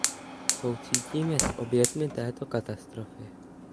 Soucítíme s oběťmi této katastrofy!